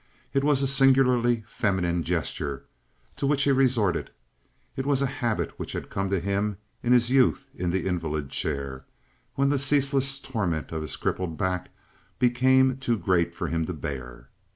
It was a singularly feminine gesture to which he resorted. It was a habit which had come to him in his youth in the invalid chair, when the ceaseless torment of his crippled back became too great for him to bear.